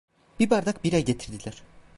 Bir bardak bira getirdiler.